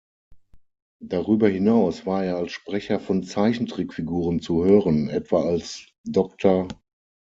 Darüber hinaus war er als Sprecher von Zeichentrickfiguren zu hören, etwa als „Dr.